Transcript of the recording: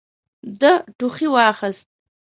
ده ټوخي واخيست.